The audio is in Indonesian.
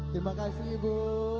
terima kasih ibu